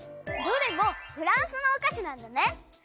どれもフランスのお菓子なんだね。